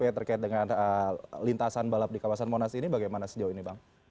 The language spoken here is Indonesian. terkait dengan lintasan balap di kawasan monas ini bagaimana sejauh ini bang